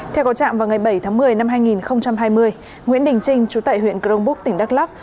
theo có trạm vào ngày bảy tháng một mươi năm hai nghìn hai mươi nguyễn đình trinh chú tại huyện crong búc tỉnh đắk lắc